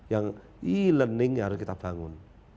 yang e learning yang harus kita bangun